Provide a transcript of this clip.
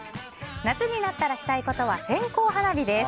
夏になったらしたいことは線香花火です。